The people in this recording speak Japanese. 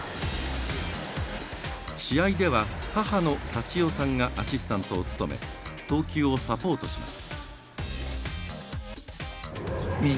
試合では母の幸代さんがアシスタントを務め投球をサポートします。